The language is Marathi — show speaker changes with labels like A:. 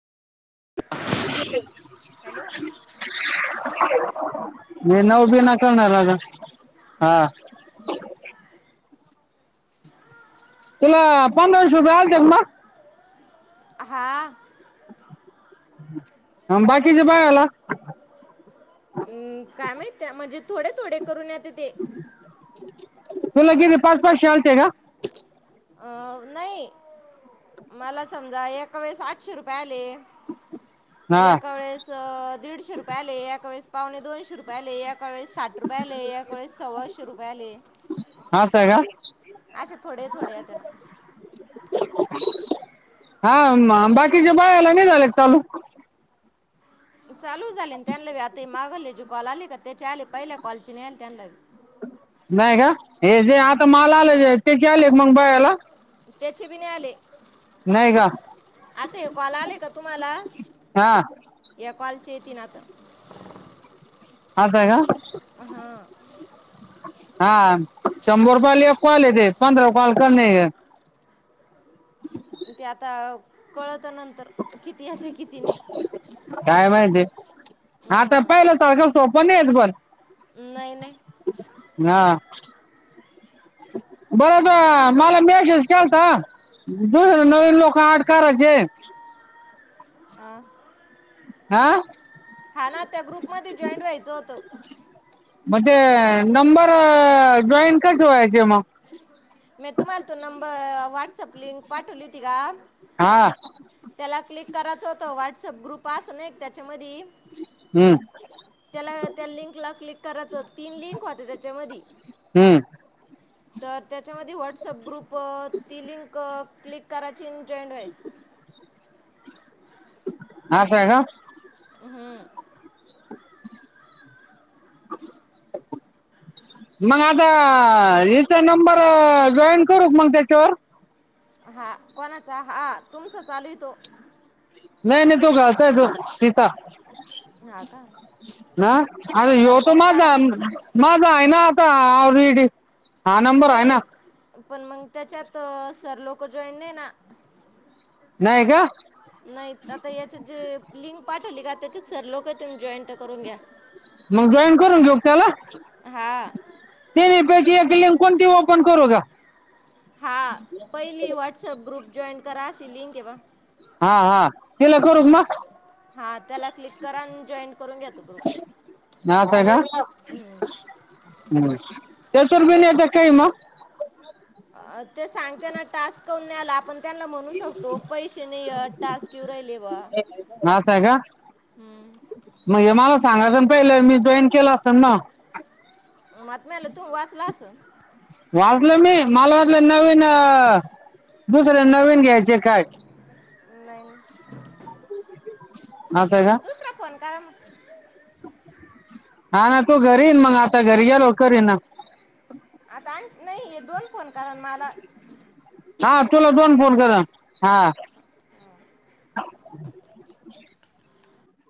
A: [inaudible]
B: हॅलो
A: मी ना उभी ना करणार अग हा तुला पंधरा वीस रुपये आलतेत ना
B: हा
A: थांबा की
B: अं, काय माहित त्या- म्हणजे थोडे थोडे करून येतात ते
A: तुला किती पाच पाचशे आलते का?
B: अ नाही मला समजा एका वेळेस आठशे रुपये आले
A: हा
B: एका वेळेस दीडशे रुपये आले, एका वेळेस पाऊणे दोनशे रुपये आले. एका वेळेस साठ रुपये आले एका वेळेस सव्वाशे रुपये आले
A: असं आहे का
B: अशे थोडे थोडे आलेले
A: हा बाकीच्या [unintelligible] नाही झाले चालू
B: चालू झाले त्यांना आता मागे जे कॉल आले का त्याची आले पहिल्या कॉलचे नाही आले त्यांनाबी
A: नाही का हे जे
B: नाही
A: आता मला आले ते के आले मग बायाला
B: त्याचे बी नाही आले आता हे कॉल आले का तुम्हाला
A: हा
B: काॅलचे येतील तुम्हांला
A: हां का [unintelligible]
B: ह हा
A: हा शंभर रुपल एक कॉल येते पंधरा कॉल कर [unintelligible] ह
B: ते आता कळत नंतर किती येत किती नाही
A: हा तर
B: हां
A: पहिलं तर सोप नाहीच पण
B: नाही नाही
A: बर तर मला मेशेज केल्ता जुन नवीन लोक एड करायचेत
B: अ
A: आा
B: हाना त्या ग्रुपमध्ये जॉईंट व्हायचं होतं
A: मग ते नंबर जॉइन कस व्हायचं मग
B: मी तुम्हाला तो नंबर वाट्सअप लिंक पाठवली ती का-
A: हा
B: त्याला क्लिक करायचं होत व्हॉट्सअप ग्रुप असल् ना त्याच्या मधी-
A: हम्म,
B: त्याला त्या लिंक ला क्लिक करायचं तीन लिंक होत्या त्याच्या मधि-
A: हम्म...
B: तर त्याच्या मध्ये व्हॉट्सअप ग्रुप ती लिंक- क्लिक करायची आणि जॉईंट व्हायच.
A: म आस हाय ना-
B: हम...
A: [unintelligible] मग आता हचा नंबर जॉईन करूक मग त्याच्यावर-
B: हा कोणाचा हा तुमचा चालू तो-
A: नाही नाही तो जायचं तो सीता-
B: हा का
A: ह अरे य तो
B: घरचाच
A: माझा
B: करा
A: माझा आहे ना- डी हा नंबर आहे ना-
B: नाही पण मग त्याच्या त सर लोक जॉईन नाही ना.
A: नाहीय का?
B: नाही आता याच्यात जे लिंक पाठवली का त्याच्यात सर लोक हे तुम्ही जॉईं तर करून घ्या.
A: मग जॉईन करून घेऊ का त्याला
B: हा
A: ते- कोण ती ओपन करू का-
B: हा पहिली व्हॉट्सअप ग्रुप जॉईन करा अशी लिंक हे बघा.
A: हा हा तिला करू का मग?
B: हा त्याला क्लिक करा आणि जॉईट करून घ्या तो ग्रुप.
A: नाव काय नाव हम्... त्याच्यावरही नाही येत काही मग-
B: हा ते सांगते ना टास्क करून न त्याला आपण- त्यांना म्हणू शकतो पैसे नाहीय टास्क येऊ राहिले बा-
A: असं आहे का मग हे ना- सांगितल्यावर पहिलं मी जॉईन केला असत ना.
B: मला वाटल तू वाचला असल.
A: वाचलं मी माल वाटल नवीन अ- दुसर्या नवीन घ्यायचे काय-
B: ऑनलाईन-
A: माझ का?
B: मग
A: हा ना तू घरीये ना मंग आता घरी गेलो का करील ना.
B: आता आणखी दोन फोन कारण मला
A: हा तुला
B: कट करा
A: दोन
B: ना
A: फोन केला हा. [unintelligible]